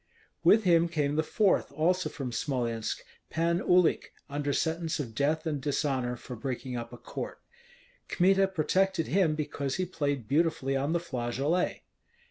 With him came the fourth, also from Smolensk, Pan Uhlik, under sentence of death and dishonor for breaking up a court. Kmita protected him because he played beautifully on the flageolet.